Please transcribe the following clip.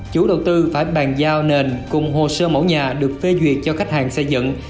chủ đầu tư phải bàn giao nền cùng hồ sơ mẫu nhà được phê duyệt cho khách hàng xây dựng